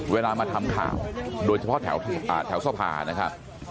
เวลามาทำข่าวโดยเฉพาะแถวสภานะครับ